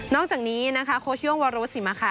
นอกจากนี้โค้ชโย่งวรรษศรีมะคะ